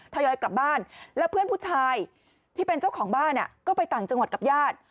ยอยกลับบ้านแล้วเพื่อนผู้ชายที่เป็นเจ้าของบ้านก็ไปต่างจังหวัดกับญาติ